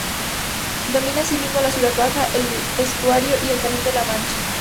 Domina así mismo la ciudad baja, el estuario y el Canal de la Mancha.